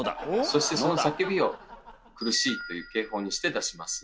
そしてその叫びを「苦しい」という警報にして出します。